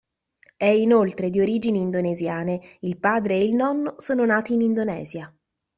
È inoltre di origini indonesiane, il padre e il nonno sono nati in Indonesia.